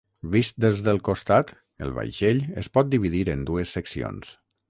Vist des del costat, el vaixell es pot dividir en dues seccions.